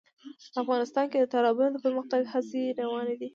افغانستان کې د تالابونه د پرمختګ هڅې روانې دي.